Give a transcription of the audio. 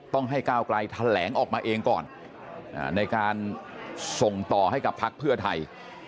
ต้องให้ก้าวไกลแถลงออกมาเองก่อนในการส่งต่อให้กับพักเพื่อไทย